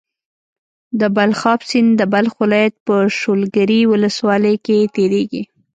د بلخاب سيند د بلخ ولايت په شولګرې ولسوالۍ کې تيريږي.